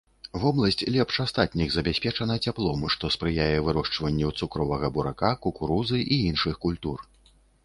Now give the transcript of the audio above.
Вобласць лепш астатніх забяспечана цяплом, што спрыяе вырошчванню цукровага бурака, кукурузы і іншых культур.